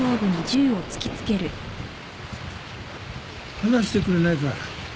話してくれないか？